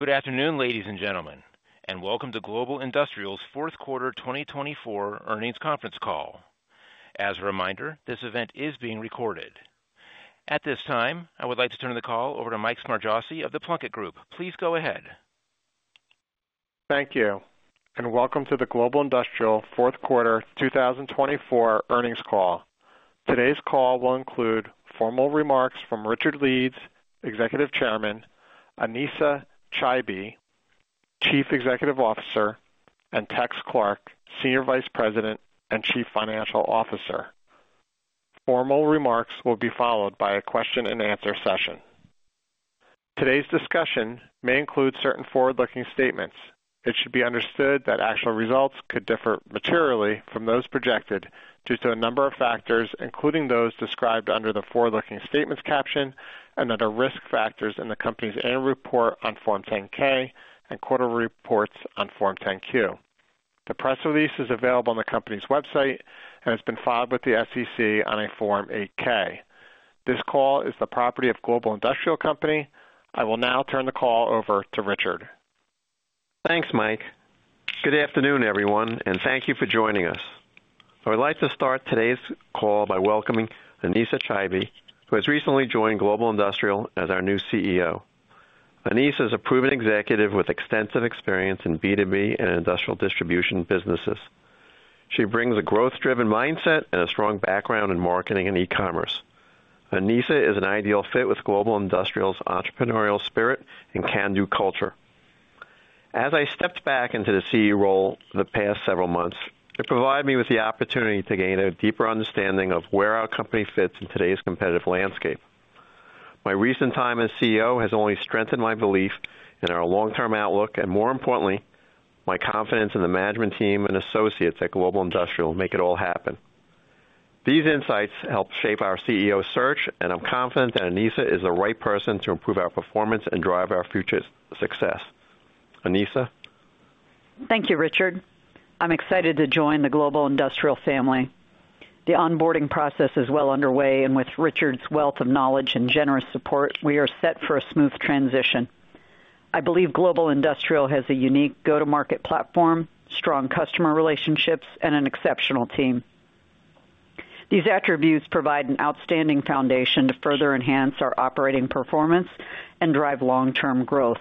Good afternoon, ladies and gentlemen, and welcome to Global Industrial's Fourth Quarter 2024 Earnings Conference Call. As a reminder, this event is being recorded. At this time, I would like to turn the call over to Mike Smargiassi of the Plunkett Group. Please go ahead. Thank you, and welcome to the Global Industrial Fourth Quarter 2024 Earnings Call. Today's call will include formal remarks from Richard Leeds, Executive Chairman, Anesa Chaibi, Chief Executive Officer, and Tex Clark, Senior Vice President and Chief Financial Officer. Formal remarks will be followed by a question-and-answer session. Today's discussion may include certain forward-looking statements. It should be understood that actual results could differ materially from those projected due to a number of factors, including those described under the forward-looking statements caption and other risk factors in the company's annual report on Form 10-K and quarterly reports on Form 10-Q. The press release is available on the company's website and has been filed with the SEC on a Form 8-K. This call is the property of Global Industrial Company. I will now turn the call over to Richard. Thanks, Mike. Good afternoon, everyone, and thank you for joining us. I would like to start today's call by welcoming Anesa Chaibi, who has recently joined Global Industrial as our new CEO. Anesa is a proven executive with extensive experience in B2B and industrial distribution businesses. She brings a growth-driven mindset and a strong background in marketing and e-commerce. Anesa is an ideal fit with Global Industrial's entrepreneurial spirit and can-do culture. As I stepped back into the CEO role the past several months, it provided me with the opportunity to gain a deeper understanding of where our company fits in today's competitive landscape. My recent time as CEO has only strengthened my belief in our long-term outlook and, more importantly, my confidence in the management team and associates at Global Industrial make it all happen. These insights helped shape our CEO search, and I'm confident that Anesa is the right person to improve our performance and drive our future success. Anesa. Thank you, Richard. I'm excited to join the Global Industrial family. The onboarding process is well underway, and with Richard's wealth of knowledge and generous support, we are set for a smooth transition. I believe Global Industrial has a unique go-to-market platform, strong customer relationships, and an exceptional team. These attributes provide an outstanding foundation to further enhance our operating performance and drive long-term growth.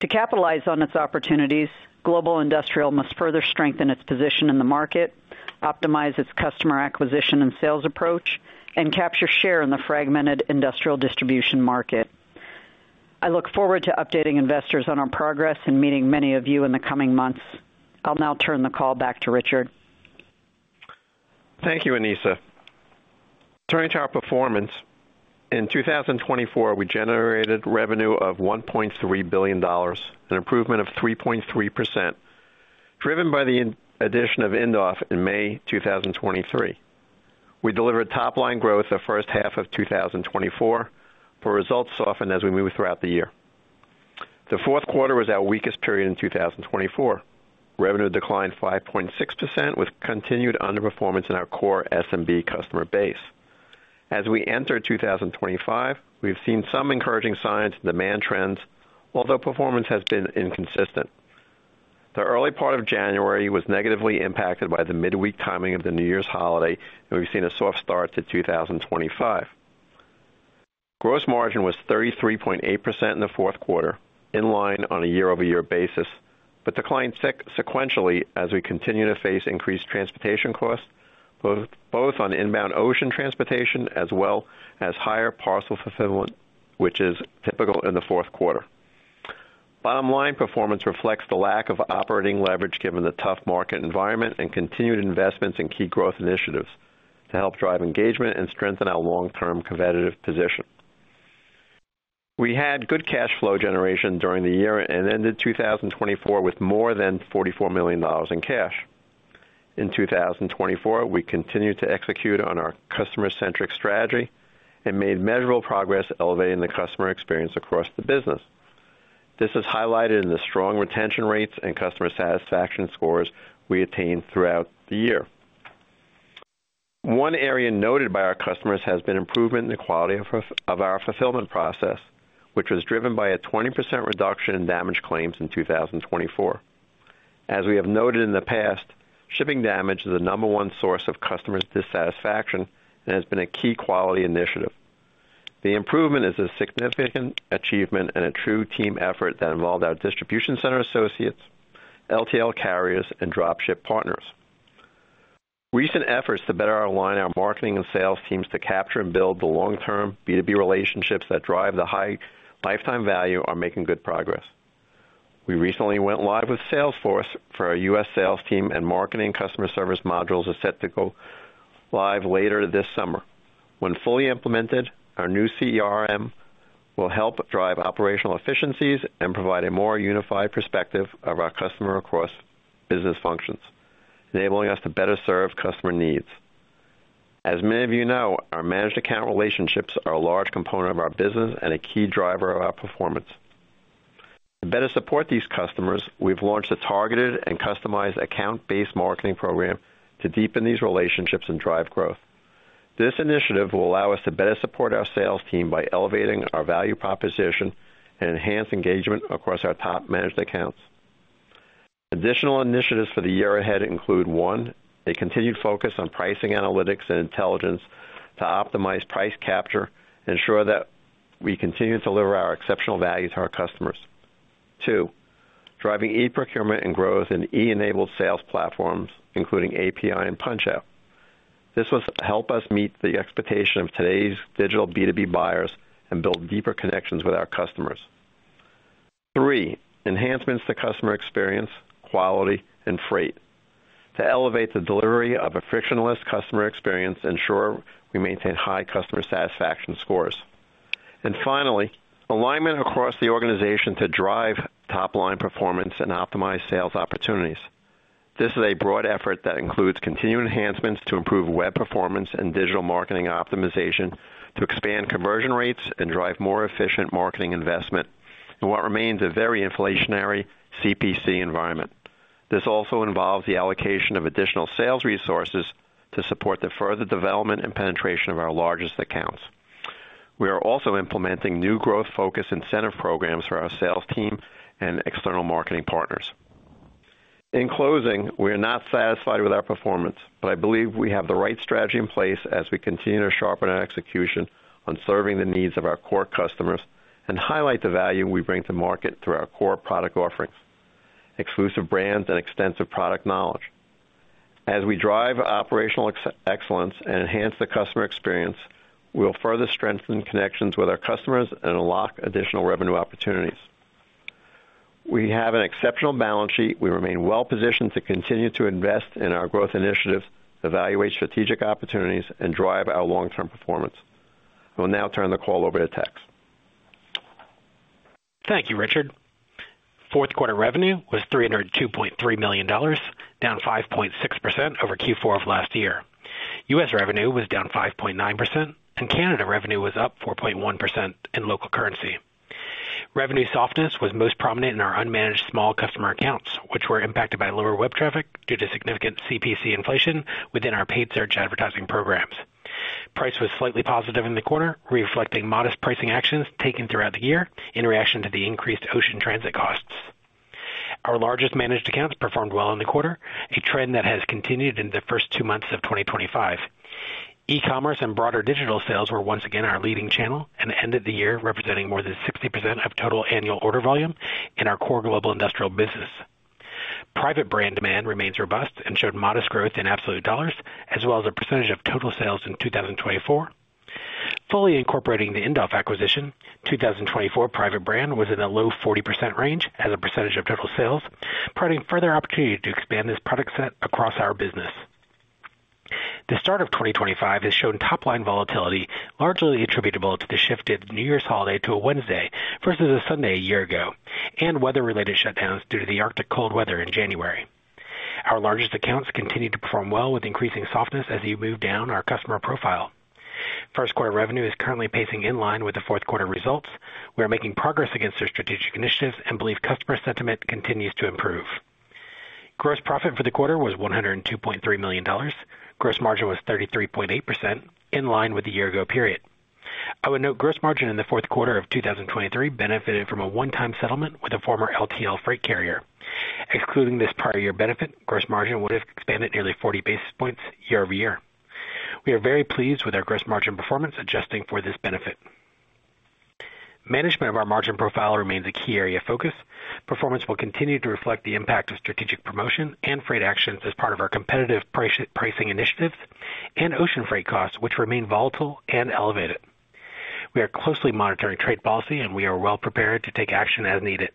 To capitalize on its opportunities, Global Industrial must further strengthen its position in the market, optimize its customer acquisition and sales approach, and capture share in the fragmented industrial distribution market. I look forward to updating investors on our progress and meeting many of you in the coming months. I'll now turn the call back to Richard. Thank you, Anesa. Turning to our performance, in 2024, we generated revenue of $1.3 billion, an improvement of 3.3%, driven by the addition of Indoff in May 2023. We delivered top-line growth the first half of 2024, but results softened as we moved throughout the year. The fourth quarter was our weakest period in 2024. Revenue declined 5.6%, with continued underperformance in our core SMB customer base. As we enter 2025, we've seen some encouraging signs in demand trends, although performance has been inconsistent. The early part of January was negatively impacted by the midweek timing of the New Year's holiday, and we've seen a soft start to 2025. Gross margin was 33.8% in the fourth quarter, in line on a year-over-year basis, but declined sequentially as we continue to face increased transportation costs, both on inbound ocean transportation as well as higher parcel fulfillment, which is typical in the fourth quarter. Bottom-line performance reflects the lack of operating leverage given the tough market environment and continued investments in key growth initiatives to help drive engagement and strengthen our long-term competitive position. We had good cash flow generation during the year and ended 2024 with more than $44 million in cash. In 2024, we continued to execute on our customer-centric strategy and made measurable progress elevating the customer experience across the business. This is highlighted in the strong retention rates and customer satisfaction scores we attained throughout the year. One area noted by our customers has been improvement in the quality of our fulfillment process, which was driven by a 20% reduction in damage claims in 2024. As we have noted in the past, shipping damage is the number one source of customer dissatisfaction and has been a key quality initiative. The improvement is a significant achievement and a true team effort that involved our distribution center associates, LTL carriers, and dropship partners. Recent efforts to better align our marketing and sales teams to capture and build the long-term B2B relationships that drive the high lifetime value are making good progress. We recently went live with Salesforce for our U.S. sales team and marketing customer service modules are set to go live later this summer. When fully implemented, our new CRM will help drive operational efficiencies and provide a more unified perspective of our customer across business functions, enabling us to better serve customer needs. As many of you know, our managed account relationships are a large component of our business and a key driver of our performance. To better support these customers, we've launched a targeted and customized account-based marketing program to deepen these relationships and drive growth. This initiative will allow us to better support our sales team by elevating our value proposition and enhancing engagement across our top managed accounts. Additional initiatives for the year ahead include: one, a continued focus on pricing analytics and intelligence to optimize price capture and ensure that we continue to deliver our exceptional value to our customers. Two, driving e-procurement and growth in e-enabled sales platforms, including API and PunchOut. This will help us meet the expectation of today's digital B2B buyers and build deeper connections with our customers, three, enhancements to customer experience, quality, and freight to elevate the delivery of a frictionless customer experience and ensure we maintain high customer satisfaction scores, and finally, alignment across the organization to drive top-line performance and optimize sales opportunities. This is a broad effort that includes continued enhancements to improve web performance and digital marketing optimization to expand conversion rates and drive more efficient marketing investment in what remains a very inflationary CPC environment. This also involves the allocation of additional sales resources to support the further development and penetration of our largest accounts. We are also implementing new growth-focused incentive programs for our sales team and external marketing partners. In closing, we are not satisfied with our performance, but I believe we have the right strategy in place as we continue to sharpen our execution on serving the needs of our core customers and highlight the value we bring to market through our core product offerings, exclusive brands, and extensive product knowledge. As we drive operational excellence and enhance the customer experience, we'll further strengthen connections with our customers and unlock additional revenue opportunities. We have an exceptional balance sheet. We remain well-positioned to continue to invest in our growth initiatives, evaluate strategic opportunities, and drive our long-term performance. I will now turn the call over to Tex Clark. Thank you, Richard. Fourth quarter revenue was $302.3 million, down 5.6% over Q4 of last year. U.S. revenue was down 5.9%, and Canada revenue was up 4.1% in local currency. Revenue softness was most prominent in our unmanaged small customer accounts, which were impacted by lower web traffic due to significant CPC inflation within our paid search advertising programs. Price was slightly positive in the quarter, reflecting modest pricing actions taken throughout the year in reaction to the increased ocean transit costs. Our largest managed accounts performed well in the quarter, a trend that has continued in the first two months of 2025. E-commerce and broader digital sales were once again our leading channel and ended the year representing more than 60% of total annual order volume in our core Global Industrial business. Private brand demand remains robust and showed modest growth in absolute dollars as well as a percentage of total sales in 2024. Fully incorporating the Indoff acquisition, 2024 private brand was in the low 40% range as a percentage of total sales, providing further opportunity to expand this product set across our business. The start of 2025 has shown top-line volatility largely attributable to the shifted New Year's holiday to a Wednesday versus a Sunday a year ago and weather-related shutdowns due to the Arctic cold weather in January. Our largest accounts continue to perform well with increasing softness as you move down our customer profile. First quarter revenue is currently pacing in line with the fourth quarter results. We are making progress against our strategic initiatives and believe customer sentiment continues to improve. Gross profit for the quarter was $102.3 million. Gross margin was 33.8%, in line with the year-ago period. I would note gross margin in the fourth quarter of 2023 benefited from a one-time settlement with a former LTL freight carrier. Excluding this prior year benefit, gross margin would have expanded nearly 40 basis points year over year. We are very pleased with our gross margin performance adjusting for this benefit. Management of our margin profile remains a key area of focus. Performance will continue to reflect the impact of strategic promotion and freight actions as part of our competitive pricing initiatives and ocean freight costs, which remain volatile and elevated. We are closely monitoring trade policy, and we are well-prepared to take action as needed.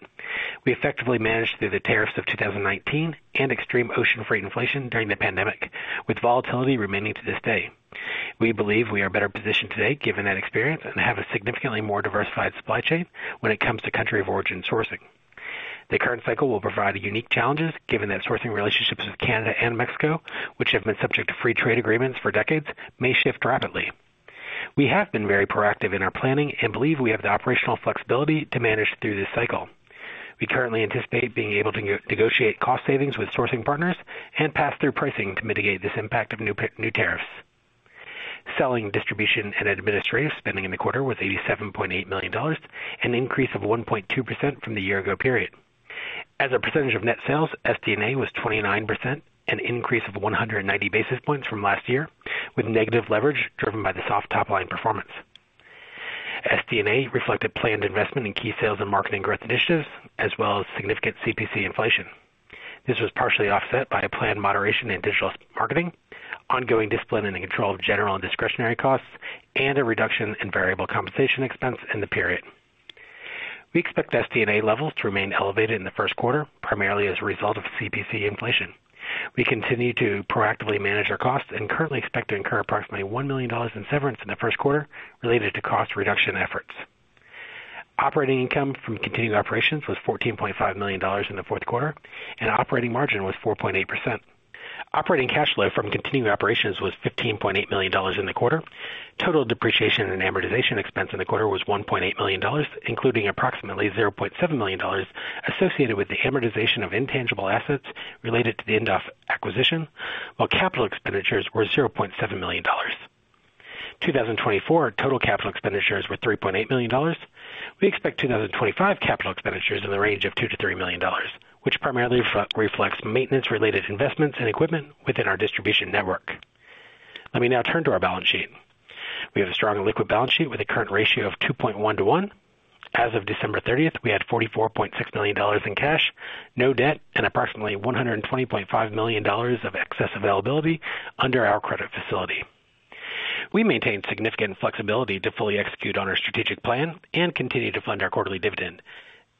We effectively managed through the tariffs of 2019 and extreme ocean freight inflation during the pandemic, with volatility remaining to this day. We believe we are better positioned today given that experience and have a significantly more diversified supply chain when it comes to country of origin sourcing. The current cycle will provide unique challenges given that sourcing relationships with Canada and Mexico, which have been subject to free trade agreements for decades, may shift rapidly. We have been very proactive in our planning and believe we have the operational flexibility to manage through this cycle. We currently anticipate being able to negotiate cost savings with sourcing partners and pass-through pricing to mitigate this impact of new tariffs. Selling, distribution, and administrative spending in the quarter was $87.8 million and an increase of 1.2% from the year-ago period. As a percentage of net sales, SD&A was 29%, an increase of 190 basis points from last year, with negative leverage driven by the soft top-line performance. SD&A reflected planned investment in key sales and marketing growth initiatives as well as significant CPC inflation. This was partially offset by planned moderation in digital marketing, ongoing discipline in control of general and discretionary costs, and a reduction in variable compensation expense in the period. We expect SD&A levels to remain elevated in the first quarter, primarily as a result of CPC inflation. We continue to proactively manage our costs and currently expect to incur approximately $1 million in severance in the first quarter related to cost reduction efforts. Operating income from continuing operations was $14.5 million in the fourth quarter, and operating margin was 4.8%. Operating cash flow from continuing operations was $15.8 million in the quarter. Total depreciation and amortization expense in the quarter was $1.8 million, including approximately $0.7 million associated with the amortization of intangible assets related to the Indoff acquisition, while capital expenditures were $0.7 million. In 2024, total capital expenditures were $3.8 million. We expect 2025 capital expenditures in the range of $2-$3 million, which primarily reflects maintenance-related investments and equipment within our distribution network. Let me now turn to our balance sheet. We have a strong liquid balance sheet with a current ratio of 2.1 to 1. As of December 30th, we had $44.6 million in cash, no debt, and approximately $120.5 million of excess availability under our credit facility. We maintained significant flexibility to fully execute on our strategic plan and continue to fund our quarterly dividend.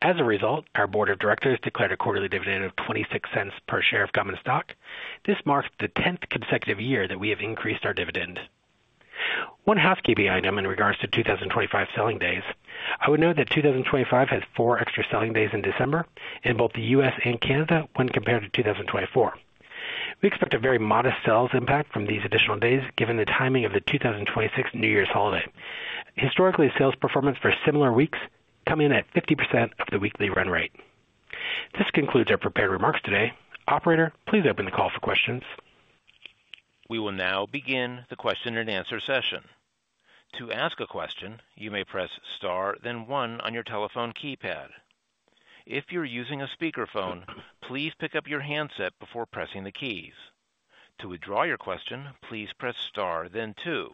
As a result, our board of directors declared a quarterly dividend of $0.26 per share of common stock. This marks the 10th consecutive year that we have increased our dividend. One housekeeping item in regards to 2025 selling days. I would note that 2025 has four extra selling days in December in both the U.S. and Canada when compared to 2024. We expect a very modest sales impact from these additional days given the timing of the 2026 New Year's holiday. Historically, sales performance for similar weeks comes in at 50% of the weekly run rate. This concludes our prepared remarks today. Operator, please open the call for questions. We will now begin the question-and-answer session. To ask a question, you may press star, then one on your telephone keypad. If you're using a speakerphone, please pick up your handset before pressing the keys. To withdraw your question, please press star, then two.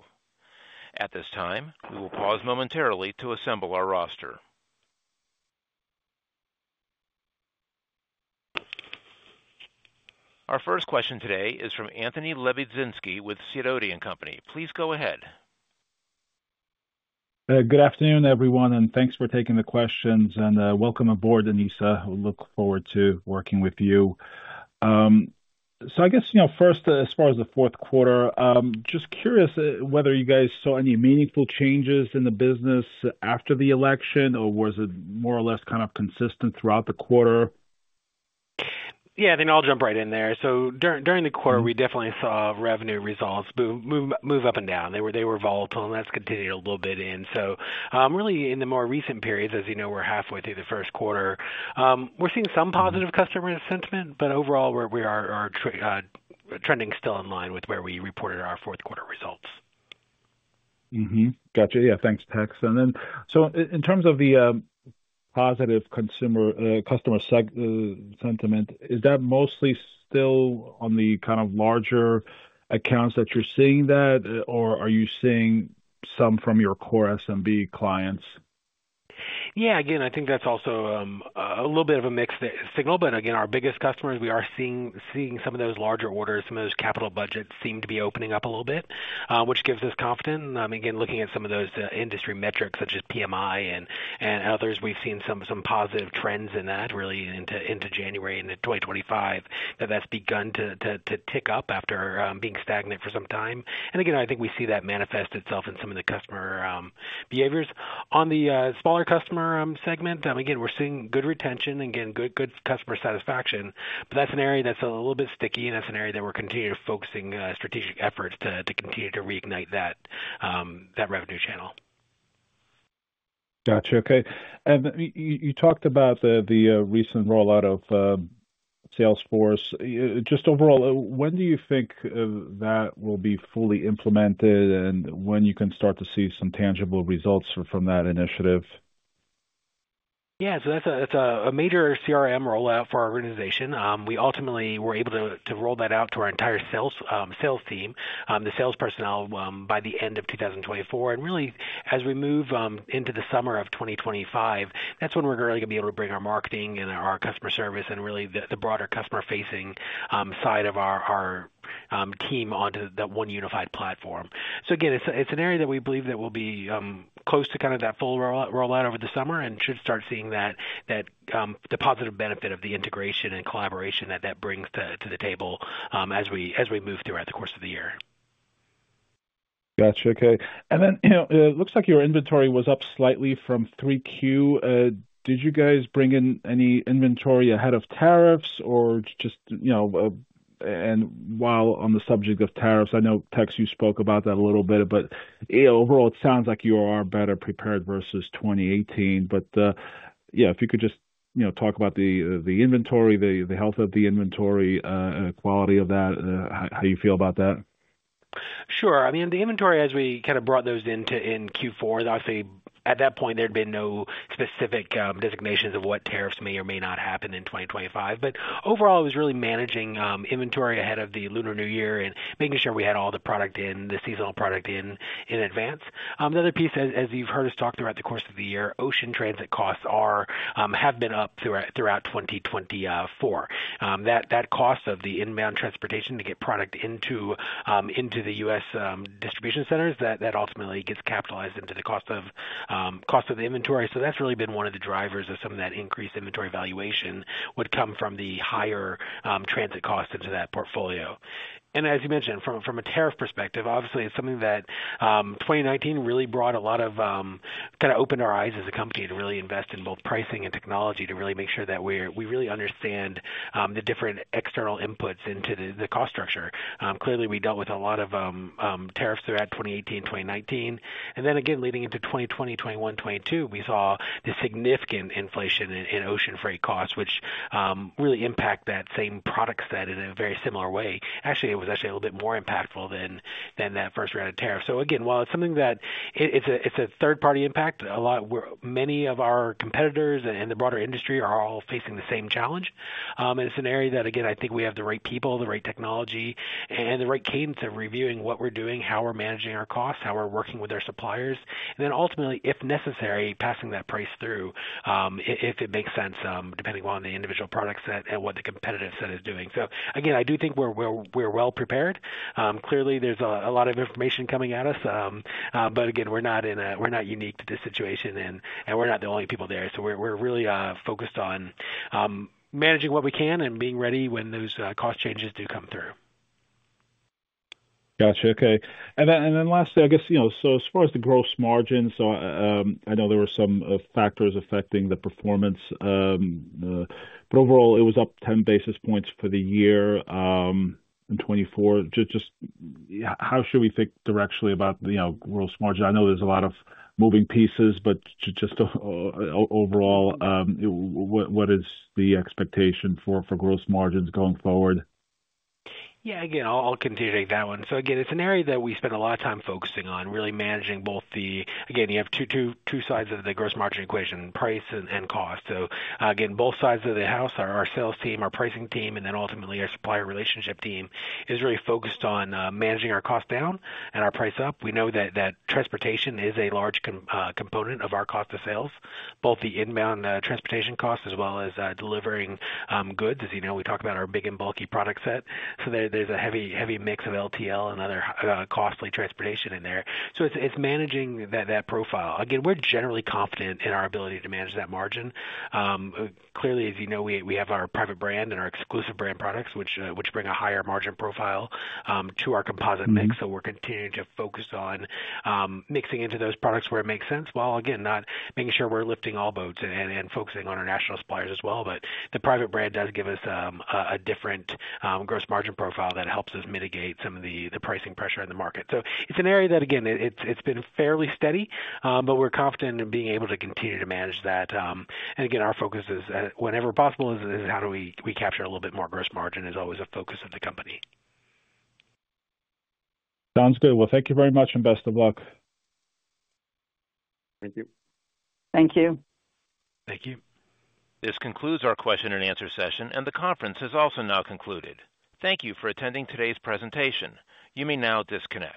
At this time, we will pause momentarily to assemble our roster. Our first question today is from Anthony Lebiedzinski with Sidoti & Company. Please go ahead. Good afternoon, everyone, and thanks for taking the questions and welcome aboard, Anesa. We look forward to working with you. I guess, first, as far as the fourth quarter, just curious whether you guys saw any meaningful changes in the business after the election, or was it more or less kind of consistent throughout the quarter? Yeah, I think I'll jump right in there, so during the quarter, we definitely saw revenue results move up and down. They were volatile, and that's continued a little bit in, so really, in the more recent periods, as you know, we're halfway through the first quarter. We're seeing some positive customer sentiment, but overall, we are trending still in line with where we reported our fourth quarter results. Gotcha. Yeah, thanks, Tex. And then so in terms of the positive customer sentiment, is that mostly still on the kind of larger accounts that you're seeing, or are you seeing some from your core SMB clients? Yeah, again, I think that's also a little bit of a mixed signal. But again, our biggest customers, we are seeing some of those larger orders, some of those capital budgets seem to be opening up a little bit, which gives us confidence. Again, looking at some of those industry metrics such as PMI and others, we've seen some positive trends in that really into January into 2025 that that's begun to tick up after being stagnant for some time. And again, I think we see that manifest itself in some of the customer behaviors. On the smaller customer segment, again, we're seeing good retention and, again, good customer satisfaction. But that's an area that's a little bit sticky, and that's an area that we're continuing to focus strategic efforts to continue to reignite that revenue channel. Gotcha. Okay. You talked about the recent rollout of Salesforce. Just overall, when do you think that will be fully implemented and when you can start to see some tangible results from that initiative? Yeah, so that's a major CRM rollout for our organization. We ultimately were able to roll that out to our entire sales team, the sales personnel, by the end of 2024, and really, as we move into the summer of 2025, that's when we're really going to be able to bring our marketing and our customer service and really the broader customer-facing side of our team onto that one unified platform, so again, it's an area that we believe that will be close to kind of that full rollout over the summer and should start seeing that positive benefit of the integration and collaboration that that brings to the table as we move throughout the course of the year. Gotcha. Okay. And then it looks like your inventory was up slightly from 3Q. Did you guys bring in any inventory ahead of tariffs or just? And while on the subject of tariffs, I know, Tex, you spoke about that a little bit, but overall, it sounds like you are better prepared versus 2018. But yeah, if you could just talk about the inventory, the health of the inventory, quality of that, how you feel about that. Sure. I mean, the inventory, as we kind of brought those into Q4, obviously, at that point, there had been no specific designations of what tariffs may or may not happen in 2025. But overall, it was really managing inventory ahead of the Lunar New Year and making sure we had all the product in, the seasonal product in advance. The other piece, as you've heard us talk throughout the course of the year, ocean transit costs have been up throughout 2024. That cost of the inbound transportation to get product into the U.S. distribution centers, that ultimately gets capitalized into the cost of the inventory. So that's really been one of the drivers of some of that increased inventory valuation would come from the higher transit costs into that portfolio. And as you mentioned, from a tariff perspective, obviously, it's something that 2019 really brought a lot of kind of opened our eyes as a company to really invest in both pricing and technology to really make sure that we really understand the different external inputs into the cost structure. Clearly, we dealt with a lot of tariffs throughout 2018, 2019. And then again, leading into 2020, 2021, 2022, we saw the significant inflation in ocean freight costs, which really impact that same product set in a very similar way. Actually, it was actually a little bit more impactful than that first round of tariffs. So again, while it's something that it's a third-party impact, many of our competitors and the broader industry are all facing the same challenge. And it's an area that, again, I think we have the right people, the right technology, and the right cadence of reviewing what we're doing, how we're managing our costs, how we're working with our suppliers. And then ultimately, if necessary, passing that price through if it makes sense, depending on the individual products and what the competitive set is doing. So again, I do think we're well prepared. Clearly, there's a lot of information coming at us. But again, we're not unique to this situation, and we're not the only people there. So we're really focused on managing what we can and being ready when those cost changes do come through. Gotcha. Okay. And then lastly, I guess, so as far as the gross margins, I know there were some factors affecting the performance. But overall, it was up 10 basis points for the year in 2024. Just how should we think directionally about gross margin? I know there's a lot of moving pieces, but just overall, what is the expectation for gross margins going forward? Yeah, again, I'll continue to take that one. So again, it's an area that we spend a lot of time focusing on, really managing both the, again, you have two sides of the gross margin equation, price and cost. So again, both sides of the house, our sales team, our pricing team, and then ultimately, our supplier relationship team is really focused on managing our cost down and our price up. We know that transportation is a large component of our cost of sales, both the inbound transportation costs as well as delivering goods. As you know, we talk about our big and bulky product set. So there's a heavy mix of LTL and other costly transportation in there. So it's managing that profile. Again, we're generally confident in our ability to manage that margin. Clearly, as you know, we have our private brand and our exclusive brand products, which bring a higher margin profile to our composite mix. So we're continuing to focus on mixing into those products where it makes sense, while again, not making sure we're lifting all boats and focusing on our national suppliers as well. But the private brand does give us a different gross margin profile that helps us mitigate some of the pricing pressure in the market. So it's an area that, again, it's been fairly steady, but we're confident in being able to continue to manage that. And again, our focus is, whenever possible, is how do we capture a little bit more gross margin is always a focus of the company. Sounds good. Well, thank you very much and best of luck. Thank you. Thank you. Thank you. This concludes our question-and-answer session, and the conference has also now concluded. Thank you for attending today's presentation. You may now disconnect.